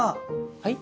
はい？